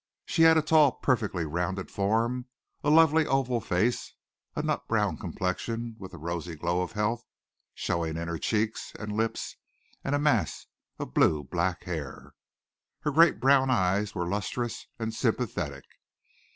She had a tall perfectly rounded form, a lovely oval face, a nut brown complexion with the rosy glow of health showing in cheeks and lips, and a mass of blue black hair. Her great brown eyes were lustrous and sympathetic.